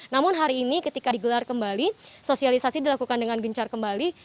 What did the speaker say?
namun hari ini ketika digelar kembali sosialisasi dilakukan dengan gencar kembali